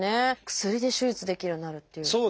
薬で手術できるようになるっていう。